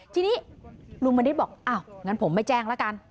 ทีนี้ลุงมณิษฐ์บอกอ้าวงั้นผมไม่แจ้งแล้วกัน